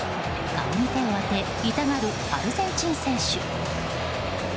顔に手を当て、痛がるアルゼンチン選手。